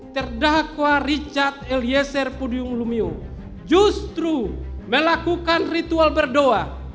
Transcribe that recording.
terdakwa richard eliezer pudium lumiu justru melakukan ritual berdoa